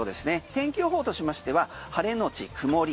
天気予報としましては晴れのち曇り。